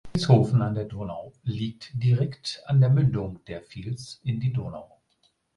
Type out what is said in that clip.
Vilshofen an der Donau liegt direkt an der Mündung der Vils in die Donau.